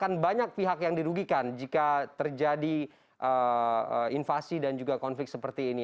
dan juga banyak pihak yang dirugikan jika terjadi invasi dan juga konflik seperti ini